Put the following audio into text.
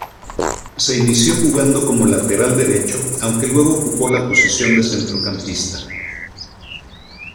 Se inició jugando como lateral derecho aunque luego ocupó la posición de centrocampista.